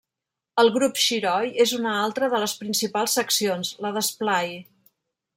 El grup Xiroi és una altra de les principals seccions, la d'esplai.